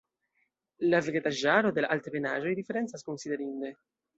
La vegetaĵaro de la altebenaĵoj diferencas konsiderinde.